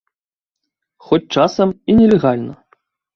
Хоць часам і нелегальна.